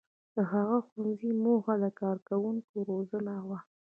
• د هغه ښوونځي موخه د کارکوونکو روزنه وه.